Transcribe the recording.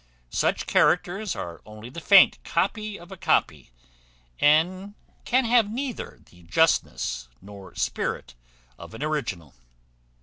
Such characters are only the faint copy of a copy, and can have neither the justness nor spirit of an original.